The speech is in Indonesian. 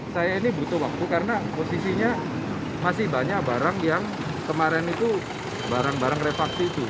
saya ini butuh waktu karena posisinya masih banyak barang yang kemarin itu barang barang refaksi itu